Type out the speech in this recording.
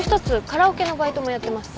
カラオケのバイトもやってます。